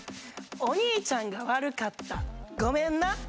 「おにいちゃんが悪かった、ごめんな」。